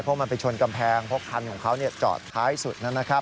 เพราะมันไปชนกำแพงเพราะคันของเขาจอดท้ายสุดนะครับ